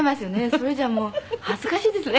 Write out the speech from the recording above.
それじゃあもう恥ずかしいですね。